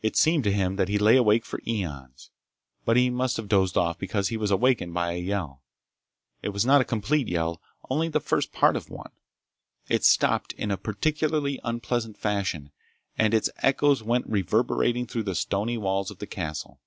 It seemed to him that he lay awake for aeons, but he must have dozed off because he was awakened by a yell. It was not a complete yell; only the first part of one. It stopped in a particularly unpleasant fashion, and its echoes went reverberating through the stony walls of the castle.